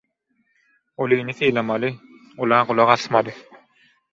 Ulyny sylamaly, ula gulak asmaly.